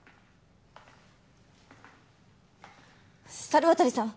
猿渡さん